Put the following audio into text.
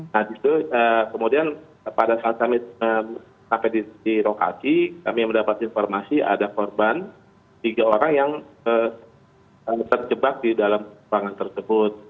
nah di situ kemudian pada saat kami sampai di lokasi kami mendapat informasi ada korban tiga orang yang terjebak di dalam ruangan tersebut